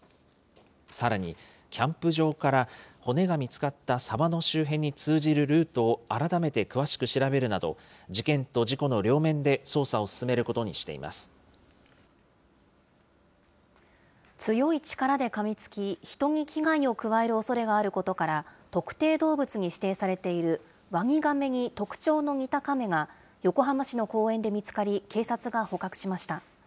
さらに、キャンプ場から骨が見つかった沢の周辺に通じるルートを改めて詳しく調べるなど、事件と事故の両面で捜査を進めることに強い力でかみつき、人に危害を加えるおそれがあることから、特定動物に指定されているワニガメに特徴の似たカメが、横浜市の公園で見つかり、警察が捕獲しました。